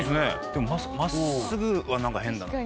でも真っすぐは何か変だな。